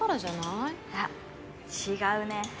いや違うね。